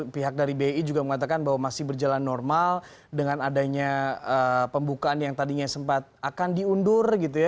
pihak dari bi juga mengatakan bahwa masih berjalan normal dengan adanya pembukaan yang tadinya sempat akan diundur gitu ya